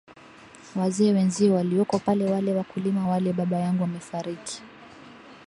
wazee wenzio walioko pale wale wakulima wale baba yangu amefariki